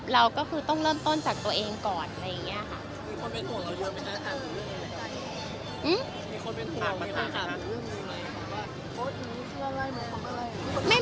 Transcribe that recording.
เราก็คือต้องเริ่มต้นจากตัวเองก่อนอะไรอย่างนี้ค่ะ